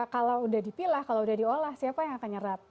kalau sudah dipilah kalau sudah diolah siapa yang akan menyerap